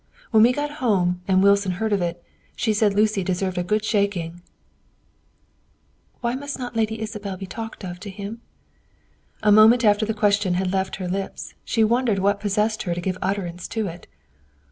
When we got home, and Wilson heard of it, she said Lucy deserved a good shaking." "Why must not Lady Isabel be talked of to him?" A moment after the question had left her lips, she wondered what possessed her to give utterance to it.